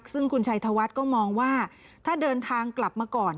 ซึ่งคุณชัยธวัฒน์ก็มองว่าถ้าเดินทางกลับมาก่อน